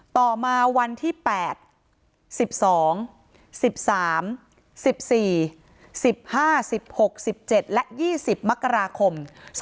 ต่อมาวันที่๘๑๒๑๓๑๔๑๕๑๖๑๗และ๒๐มกราคม๒๕๖